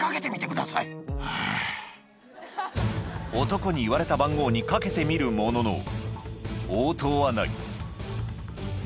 男に言われた番号にかけてみるものの応答はないはぁ？